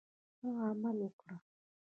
ښه عمل وکړه.